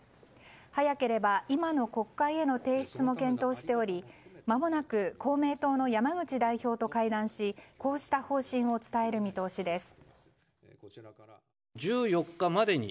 早ければ今の国会への提出も検討しておりまもなく公明党の山口代表と会談しこうした方針を伝える見通しです。